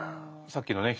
さっきのね